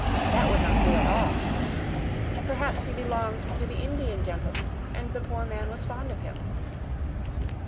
That would not do at all. Perhaps he belonged to the Indian gentleman, and the poor man was fond of him.